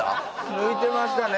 抜いてましたね